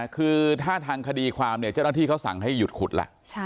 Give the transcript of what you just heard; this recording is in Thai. คือถ้าทางคดีความเนี่ยเจ้าหน้าที่เขาสั่งให้หยุดขุดล่ะ